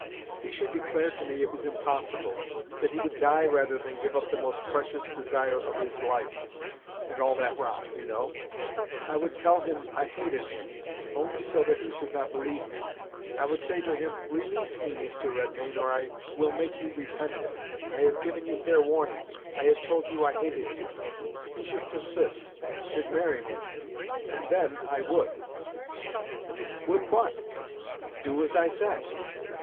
He should declare to me it was impossible; that he would die rather than give up the most precious desire of his life and all that rot, you know. I would tell him I hated him only so that he should not believe me. I would say to him, 'Release me, Mr. Redmain, or I will make you repent it. I have given you fair warning. I have told you I hated you.' He should persist, should marry me, and then I would." "Would what?" "Do as I said."